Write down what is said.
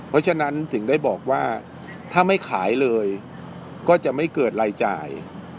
ถ้าไม่ขายเลยรายการความจัดการเขาจะไม่เกิดรายจ่าย